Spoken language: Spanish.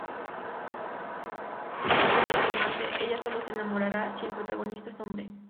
En respecto al romance ella solo se enamorara si el protagonista es hombre.